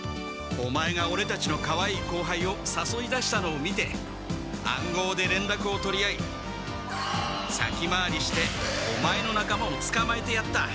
オマエがオレたちのかわいい後輩をさそい出したのを見て暗号でれんらくを取り合い先回りしてオマエのなかまをつかまえてやった！